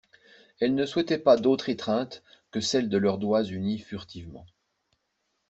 Elle ne souhaitait pas d'autre étreinte que celle de leurs doigts unis furtivement.